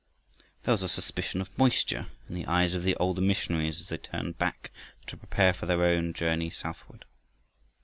There was a suspicion of moisture in the eyes of the older missionaries as they turned back to prepare for their own journey southward.